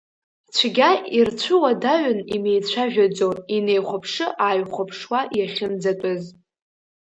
Цәгьа ирцәуадаҩын имеицәажәаӡо, инеихәаԥшы-ааихәаԥшуа иахьынӡатәаз.